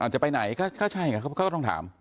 จะไปไหนก็ใช่ไงเขาก็ต้องถาม